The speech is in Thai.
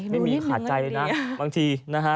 ไม่มีขาดใจเลยนะบางทีนะฮะ